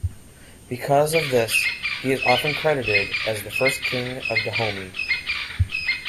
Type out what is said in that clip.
Because of this he is often credited as the First King of Dahomey.